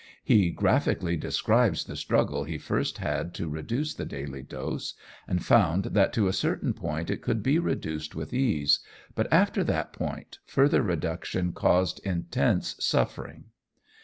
He graphically describes the struggle he first had to reduce the daily dose, and found that to a certain point it could be reduced with ease, but after that point, further reduction caused intense suffering.